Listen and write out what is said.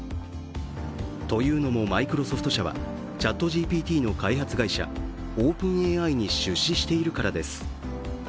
というのも、マイクロソフト社はＣｈａｔＧＰＴの開発会社、ＯｐｅｎＡＩに出資しているからです。